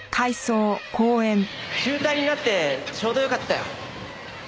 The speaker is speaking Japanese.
中退になってちょうどよかったよ。